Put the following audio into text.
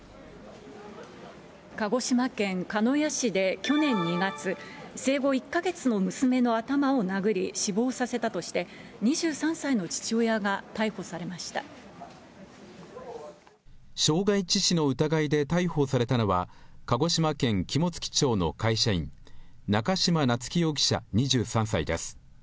鹿児島県鹿屋市で去年２月、生後１か月の娘の頭を殴り死亡させたとして、傷害致死の疑いで逮捕されたのは、鹿児島県肝付町の会社員、中島夏輝容疑者２３歳です。